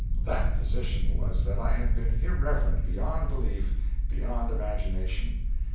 That position was that I had been irreverent beyond belief, beyond imagination.